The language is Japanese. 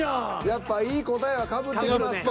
やっぱいい答えはかぶってきますか。